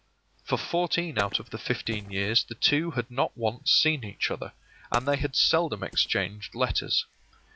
For fourteen out of the fifteen years the two had not once seen each other, and they had seldom exchanged letters.